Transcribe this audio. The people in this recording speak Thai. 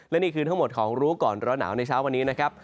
และนี่คือทั้งหมดของรู้ก่อนร้อนหนาวในเช้าวันนี้นะครับ